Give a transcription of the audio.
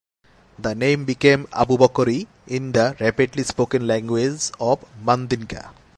The name became Abubakari in the rapidly spoken language of Mandinka.